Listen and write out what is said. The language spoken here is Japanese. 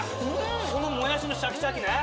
このもやしのシャキシャキね。